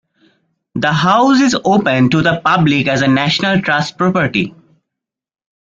The house is open to the public as a National Trust property.